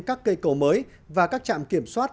các cây cầu mới và các trạm kiểm soát